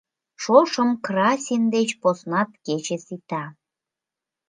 Шошым красин деч поснат кече сита.